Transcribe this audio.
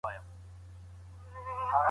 ولي هوډمن سړی د مستحق سړي په پرتله بریا خپلوي؟